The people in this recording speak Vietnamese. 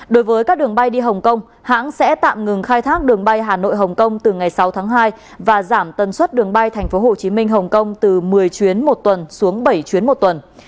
đối với các đường bay đi hồng kông hãng sẽ tạm ngừng khai thác đường bay hà nội hồng kông từ ngày sáu tháng hai và giảm tần suất đường bay tp hcm hồng kông từ một mươi chuyến một tuần xuống bảy chuyến một tuần